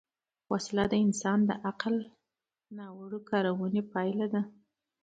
وسله د انسان د عقل ناوړه کارونې پایله ده